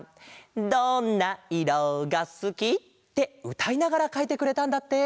「どんないろがすき」ってうたいながらかいてくれたんだって。